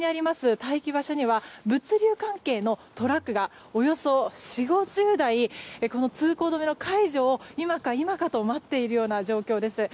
待機場所には物流関係のトラックがおよそ４０５０台通行止めの解除を今か今かと待っているような状況です。